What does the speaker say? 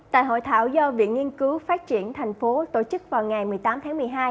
tại hội thảo do viện nghiên cứu phát triển thành phố tổ chức vào ngày một mươi tám tháng một mươi hai